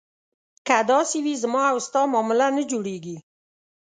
که داسې وي زما او ستا معامله نه جوړېږي.